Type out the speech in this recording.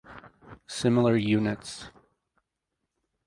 Similar units